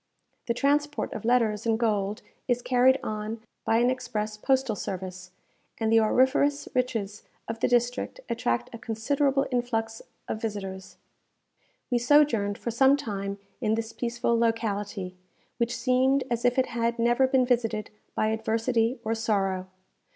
The transport of letters and gold is carried on by an express postal service; and the auriferous riches of the district attract a considerable influx of visitors. We sojourned for some time in this peaceful locality, which seemed as if it had never been visited by adversity or sorrow.